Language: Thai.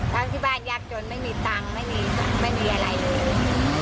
ทั้งที่บ้านยากจนไม่มีตังค์ไม่มีอะไรเลย